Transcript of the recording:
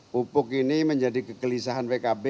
pupuk ini menjadi kekelisahan bkb